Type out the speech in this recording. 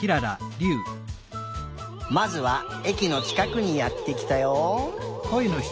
まずはえきのちかくにやってきたよ。